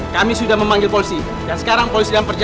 jadi sekadar kamu menghantuinya sebelum beritahu sama kita